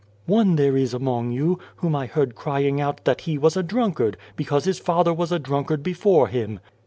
" One there is among you, whom I heard crying out that he was a drunkard, because his father was a drunkard before him.